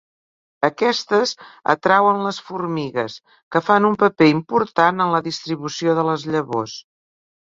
Aquestes atrauen les formigues, que fan un paper important en la distribució de les llavors.